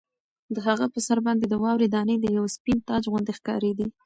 د هغه په سر باندې د واورې دانې د یوه سپین تاج غوندې ښکارېدې.